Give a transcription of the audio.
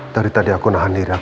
dari tadi aku nahan diri aku gak